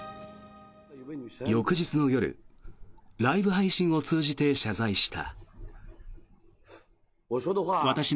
翌日の夜、ライブ配信を通じて謝罪した。